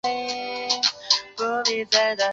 圣马塞昂缪拉人口变化图示